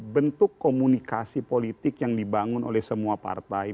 bentuk komunikasi politik yang dibangun oleh semua partai